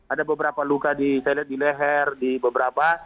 ada beberapa luka di leher di beberapa